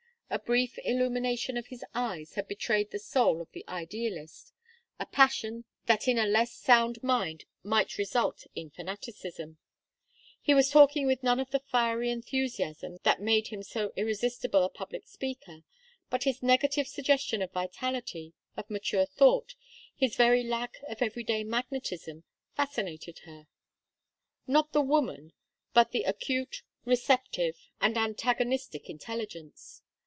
A brief illumination of his eyes had betrayed the soul of the idealist; a passion that in a less sound mind might result in fanaticism. He was talking with none of the fiery enthusiasm that made him so irresistible a public speaker, but his negative suggestion of vitality, of mature thought, his very lack of every day magnetism, fascinated her; not the woman, but the acute, receptive, and antagonistic intelligence.